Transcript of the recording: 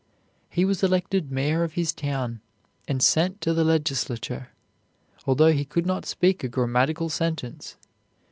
He was elected mayor of his town, and sent to the legislature, although he could not speak a grammatical sentence.